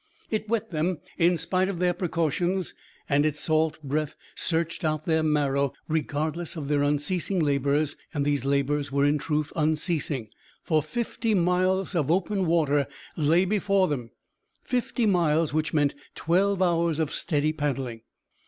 It wet them in spite of their precautions, and its salt breath searched out their marrow, regardless of their unceasing labors; and these labors were in truth unceasing, for fifty miles of open water lay before them; fifty miles, which meant twelve hours of steady paddling.